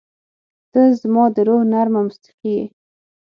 • ته زما د روح نرمه موسیقي یې.